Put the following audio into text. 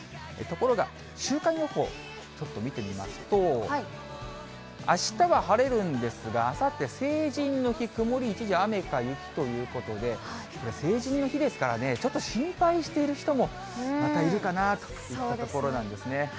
ところが、週間予報、ちょっと見てみますと、あしたは晴れるんですが、あさって成人の日、曇り一時雨か雪ということで、成人の日ですからね、ちょっと心配している人も、またいるかなといったところなんですね。